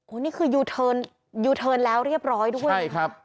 นี่คือยูเทิร์นยูเทิร์นแล้วเรียบร้อยด้วยใช่ครับ